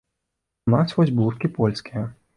У нас вось блузкі польскія.